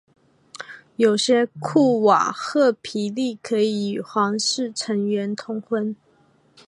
有些库瓦赫皮利可以与皇室成员通婚。